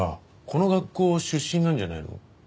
この学校出身なんじゃないの？